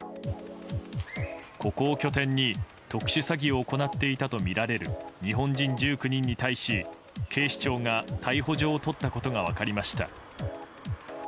ここを拠点に特殊詐欺を行っていたとみられる日本人１９人に対し、警視庁が逮捕状を取ったことが分かりました。